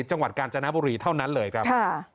จังหวัดกาญจนบุรีเท่านั้นเลยครับ